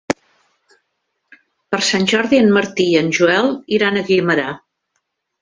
Per Sant Jordi en Martí i en Joel iran a Guimerà.